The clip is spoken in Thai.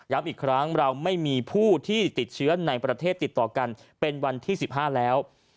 อีกครั้งเราไม่มีผู้ที่ติดเชื้อในประเทศติดต่อกันเป็นวันที่๑๕แล้ว